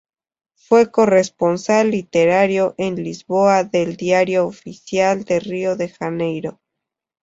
Fue corresponsal literario en Lisboa del "Diário Oficial do Rio de Janeiro".